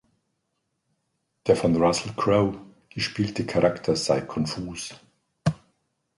Der von Russell Crowe gespielte Charakter sei „"konfus"“.